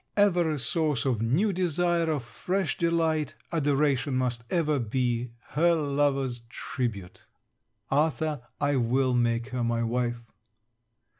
Ever a source of new desire, of fresh delight, adoration must ever be her lover's tribute! Arthur, I will make her my wife.